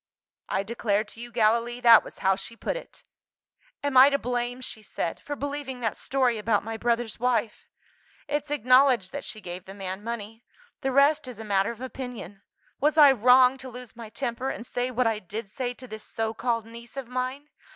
I declare to you, Gallilee, that was how she put it! 'Am I to blame,' she said, 'for believing that story about my brother's wife? It's acknowledged that she gave the man money the rest is a matter of opinion. Was I wrong to lose my temper, and say what I did say to this so called niece of mine?